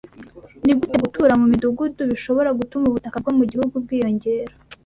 Ni gute gutura mu midugudu bishobora gutuma ubutaka bwo guhinga bwiyongera?